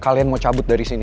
kalian mau cabut dari sini